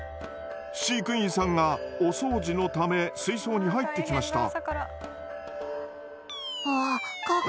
飼育員さんがお掃除のため水槽に入ってきました。